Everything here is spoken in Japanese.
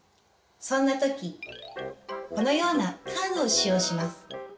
そんな時このようなカードを使用します。